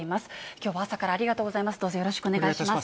きょうは朝からありがとうございます。